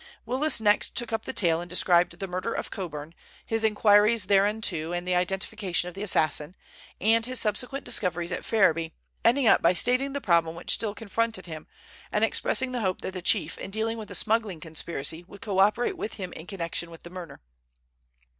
Willis next took up the tale and described the murder of Coburn, his inquiries thereinto and the identification of the assassin, and his subsequent discoveries at Ferriby, ending up by stating the problem which still confronted him, and expressing the hope that the chief in dealing with the smuggling conspiracy would co operate with him in connection with the murder.